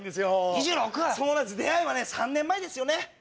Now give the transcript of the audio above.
２６！出会いはね３年前ですよね。